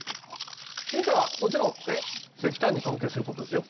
ヒントはもちろん石炭に関係する事ですよ。